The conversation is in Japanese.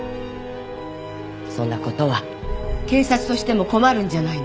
そんな事は警察としても困るんじゃないの？